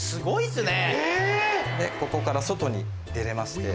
でここから外に出れまして。